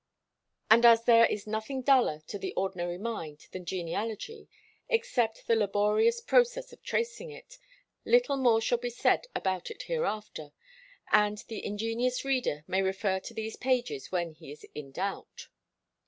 And as there is nothing duller to the ordinary mind than genealogy, except the laborious process of tracing it, little more shall be said about it hereafter, and the ingenious reader may refer to these pages when he is in doubt.